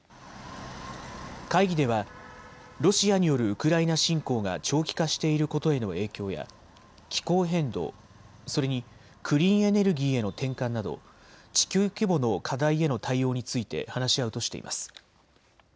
会議ではロシアによるウクライナ侵攻が長期化していることへの影響や気候変動、それにクリーンエネルギーへの転換など地球規模の課題への対応について話し合うとしています。